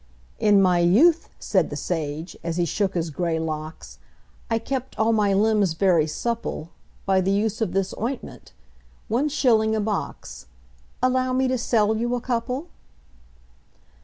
"In my youth," said the sage, as he shook his grey locks, "I kept all my limbs very supple By the use of this ointment one shilling a box Allow me to sell you a couple?"